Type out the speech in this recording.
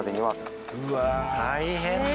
大変だ！